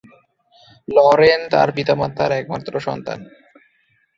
Lauren তার পিতামাতার একমাত্র সন্তান।